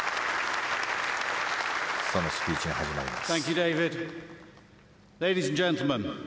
そのスピーチが始まります。